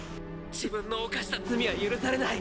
自分の犯した罪は許されない。